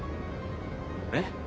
えっ。